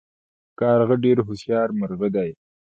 کارغه ډیر هوښیار مرغه دی